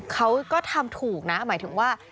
เขาก็ทำถูกนะ